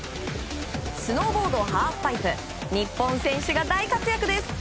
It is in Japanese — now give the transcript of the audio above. スノーボードハーフパイプ日本選手が大活躍です。